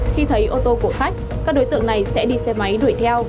khi thấy ô tô của khách các đối tượng này sẽ đi xe máy đuổi theo